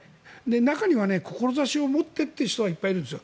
中には志を持って行っている人はいっぱいいるんです。